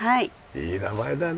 いい名前だね。